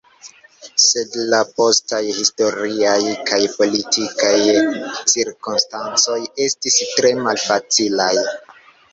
Sed la postaj historiaj kaj politikaj cirkonstancoj estis tre malfacilaj.